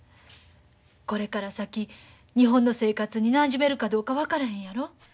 これから先日本の生活になじめるかどうか分からへんやろ。